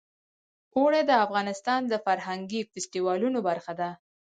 اوړي د افغانستان د فرهنګي فستیوالونو برخه ده.